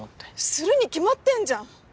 するに決まってんじゃん。